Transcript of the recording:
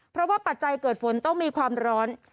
เพราะว่าปัจจัยเกิดฝนต้องมีความร้อน